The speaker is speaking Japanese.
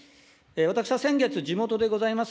私は先月、地元でございます